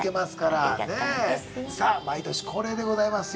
さあ毎年恒例でございますよ。